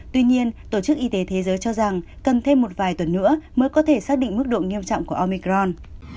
tuy nhiên tổ chức y tế thế giới cho rằng cần thêm một vài tuần nữa mới có thể xác định mức độ nghiêm trọng của omicron